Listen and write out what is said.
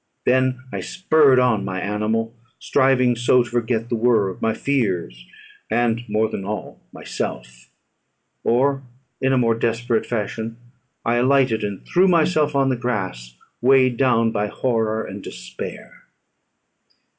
Then I spurred on my animal, striving so to forget the world, my fears, and, more than all, myself or, in a more desperate fashion, I alighted, and threw myself on the grass, weighed down by horror and despair.